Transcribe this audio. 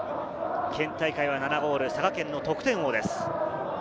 県大会は７ゴール、佐賀県の得点王です。